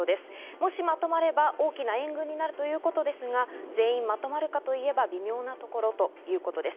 もしまとまれば大きな援軍になるということですが、全員まとまるかといえば微妙なところということです。